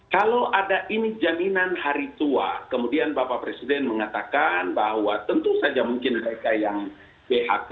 kalau ada ini jaminan hari tua kemudian bapak presiden mengatakan bahwa tentu saja mungkin mereka yang phk